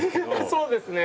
そうですね。